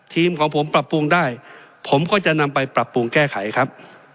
ของผมปรับปรุงได้ผมก็จะนำไปปรับปรุงแก้ไขครับ